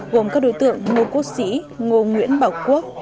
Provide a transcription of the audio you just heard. gồm các đối tượng ngô quốc sĩ ngô nguyễn bảo quốc